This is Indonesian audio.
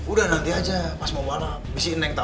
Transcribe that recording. udah nanti aja pas mau balap bisa neng tau